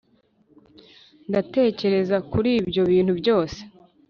ndatekereza kuri ibyo bintu byose